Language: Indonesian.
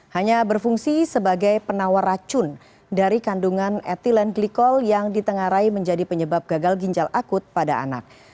hanya berfungsi sebagai penawar racun dari kandungan ethylene glycol yang ditengarai menjadi penyebab gagal ginjal akut pada anak